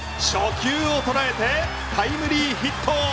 初球を捉えてタイムリーヒット。